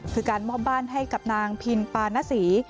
คือการมอบบ้านให้กับนางพินปานศรี